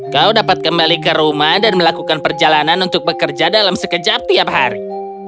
kau dapat kembali ke rumah dan melakukan perjalanan untuk bekerja dalam sekejap tiap hari